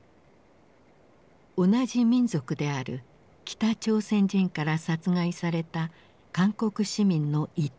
同じ民族である北朝鮮人から殺害された韓国市民の遺体。